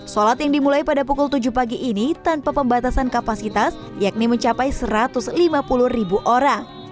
sholat yang dimulai pada pukul tujuh pagi ini tanpa pembatasan kapasitas yakni mencapai satu ratus lima puluh ribu orang